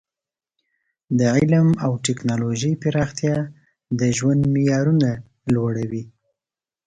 د علم او ټکنالوژۍ پراختیا د ژوند معیارونه لوړوي.